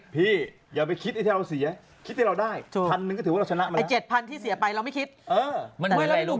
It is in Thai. พี่จะไปทนเสียให้เราได้เราไม่คิดไปเราไม่คิดอำยุค